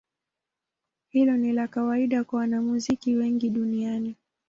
Hilo ni la kawaida kwa wanamuziki wengi duniani.